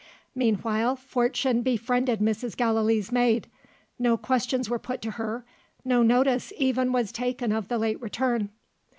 Meanwhile, Fortune befriended Mrs. Gallilee's maid. No questions were put to her; no notice even was taken of the late return.